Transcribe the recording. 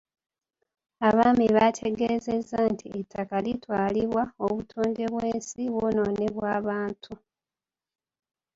Abaami baategeezezza nti ettaka litwaalibwa, obutonde bwensi bwonoonebwa abantu.